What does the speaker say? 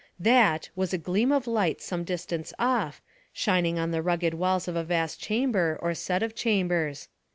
"That" was a gleam of light some distance off, shining on the rugged walls of a vast chamber or set of chambers.